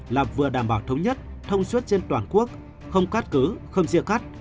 là vừa đảm bảo thống nhất thông suất trên toàn quốc không cát cứ không siêu khắt